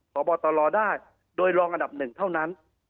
กรรมกรตลอได้โดยรองอันดับหนึ่งเท่านั้น